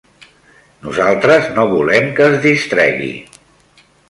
Nosaltres no volem que es distregui